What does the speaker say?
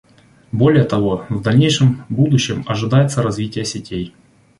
Более того, в дальнейшем будущем ожидается развитие сетей